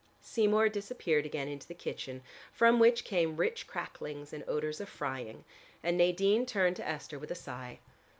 Seymour disappeared again into the kitchen from which came rich cracklings and odors of frying, and Nadine turned to Esther with a sigh.